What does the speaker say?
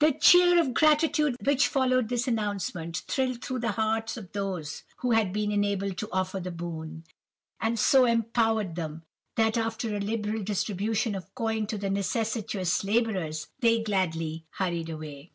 "The cheer of gratitude which followed this announcement, thrilled through the heart of those who had been enabled to offer the boon, and so overpowered them, that, after a liberal distribution of coin to the necessitous labourers, they gladly hurried away.